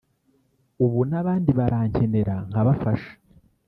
ubu n’abandi barankenera nkabafasha